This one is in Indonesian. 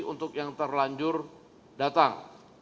untuk yang terlanjur datang